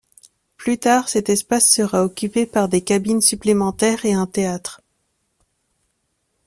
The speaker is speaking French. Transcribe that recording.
Plus tard, cet espace sera occupé par des cabines supplémentaires et un théâtre.